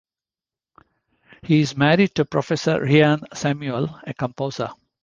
He is married to Professor Rhian Samuel, a composer.